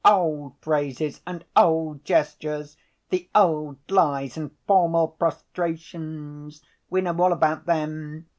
Old phrases and old gestures. The old lies and formal prostrations. We know all about them.